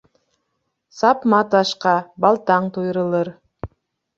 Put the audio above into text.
Сапма ташҡа: балтаң туйрылыр.